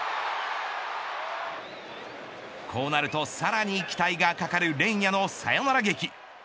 こうなるとさらに期待がかかかる連夜のサヨナラ劇。